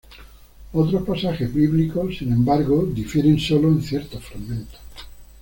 Otros pasajes bíblicos, sin embargo, difieren sólo en ciertos fragmentos.